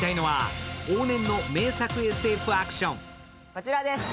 こちらです。